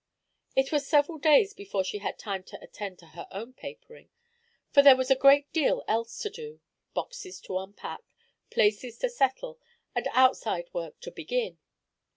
It was several days before she had time to attend to her own papering, for there was a great deal else to do, boxes to unpack, places to settle, and outside work to begin.